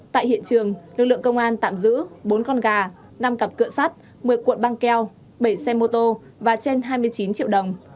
tại hiện trường lực lượng công an tạm giữ bốn con gà năm cặp cửa sắt một mươi cuộn băng keo bảy xe mô tô và trên hai mươi chín triệu đồng